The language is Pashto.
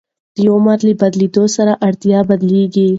د عمر له بدلون سره اړتیا بدلېږي.